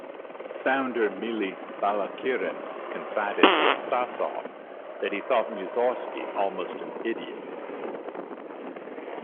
Founder Mily Balakirev confided to Stasov that he thought Mussorgsky almost an idiot.